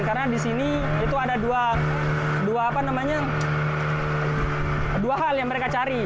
karena di sini itu ada dua hal yang mereka cari